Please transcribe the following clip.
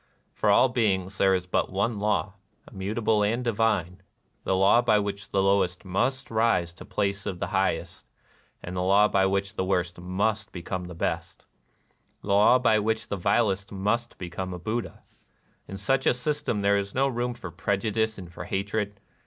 For all beings there is but one law, — immutable and divine : the law by which the lowest must rise to the place of the highest, — the law by which the worst must become the best, — the law by which the vilest must become a Buddha. In such a system there is no room for prejudice and for hatred.